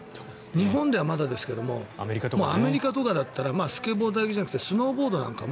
日本ではまだですがアメリカとかだったらスケボー代だけじゃなくてスノーボードも